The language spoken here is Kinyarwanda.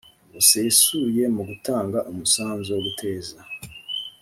busesuye mu gutanga umusanzu wo guteza